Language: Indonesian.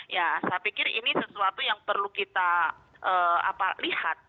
ya saya pikir ini sesuatu yang perlu kita lihat